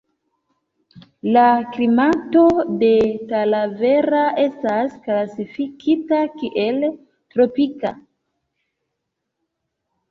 La klimato de Talavera estas klasifikita kiel tropika.